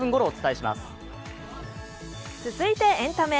続いてエンタメ。